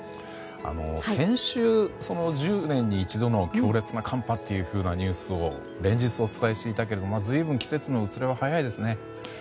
先週、１０年に一度の強烈な寒波というニュースを連日お伝えしていたけれども随分、季節の移ろいは早いですね。